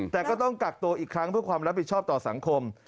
แต่ก็ต้องกักตัวอีกครั้งเพื่อความรับผิดชอบต่อสังคม